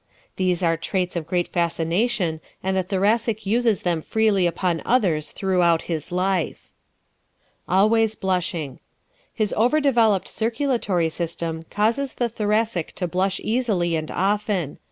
These are traits of great fascination and the Thoracic uses them freely upon others throughout his life. Always Blushing ¶ His over developed circulatory system causes the Thoracic to blush easily and often.